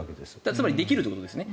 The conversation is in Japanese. つまりできるってことですね。